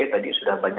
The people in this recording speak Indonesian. tadi sudah banyak